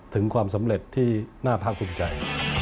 ถึงความสำเร็จที่น่าพร้อมคุณใจ